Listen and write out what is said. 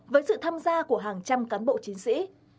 với sự tham gia của hàng trăm cán bộ chiến sĩ